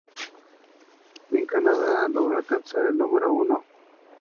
En Canadá logró alcanzar el número uno.